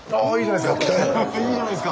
いいじゃないすか！